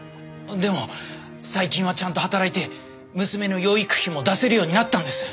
でも最近はちゃんと働いて娘の養育費も出せるようになったんです。